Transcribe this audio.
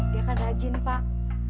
dia kan rajin pak